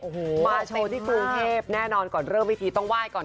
โอ้โหมาโชว์ที่กรุงเทพแน่นอนก่อนเริ่มพิธีต้องไหว้ก่อน